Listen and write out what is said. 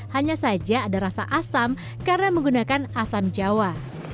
hanya saja ada rasa asam karena menggunakan asam jawa